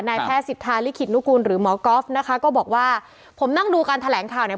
นายแพทย์สิทธาลิขิตนุกูลหรือหมอก๊อฟนะคะก็บอกว่าผมนั่งดูการแถลงข่าวเนี่ย